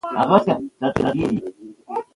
خپل چاپېریال پاک وساتئ.